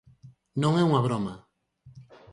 Non é unha broma.